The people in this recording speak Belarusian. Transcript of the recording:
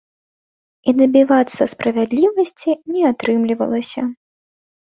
І дабівацца справядлівасці не атрымлівалася.